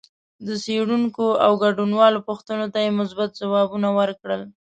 د څېړونکو او ګډونوالو پوښتنو ته یې مثبت ځوابونه ورکړل